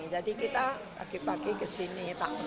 jadi kita pagi pagi ke sini